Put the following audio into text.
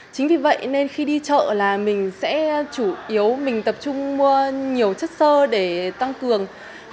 chính vì vậy nên khi đi chợ là mình sẽ chủ yếu mình tập trung mua nhiều chất sơ để tăng cường